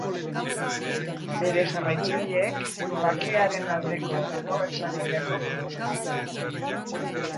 Bere jarraitzaileek Bakearen aldeko Nobel Sarirako proposatu zuten.